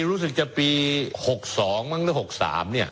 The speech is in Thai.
รู้สึกจะปี๖๒มั้งหรือ๖๓เนี่ย